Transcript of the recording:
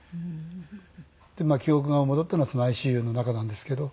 で記憶が戻ったのはそのＩＣＵの中なんですけど。